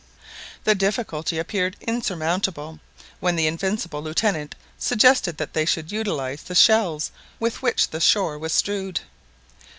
The difficulty appeared insurmountable, when the invincible Lieutenant suggested that they should utilise the shells with which the shore was strewed.